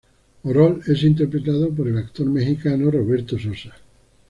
Orol es interpretado por el actor mexicano Roberto Sosa.